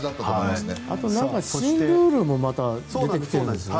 あと、新ルールも出てきているんですね。